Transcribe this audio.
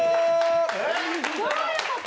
どういうこと？